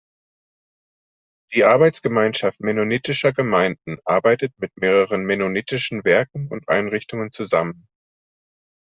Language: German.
Die Arbeitsgemeinschaft Mennonitischer Gemeinden arbeitet mit mehreren mennonitischen Werken und Einrichtungen zusammen.